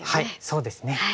そうですね。